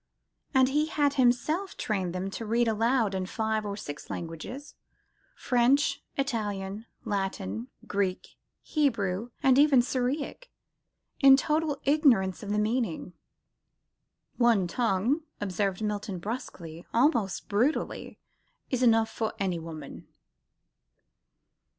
And he had himself trained them to read aloud in five or six languages, French, Italian, Latin, Greek, Hebrew and even Syriac, in total ignorance of the meaning. "One tongue," observed Milton brusquely, almost brutally, "is enough for any woman."